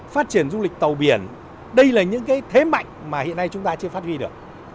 phát triển du lịch tàu biển đây là những thế mạnh mà hiện nay chúng ta chưa phát huy được